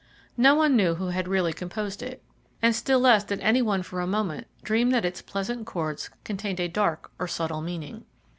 No one knew who had really composed it, and still less did any one for a moment dream that its pleasant chords contained a dark or subtle meaning.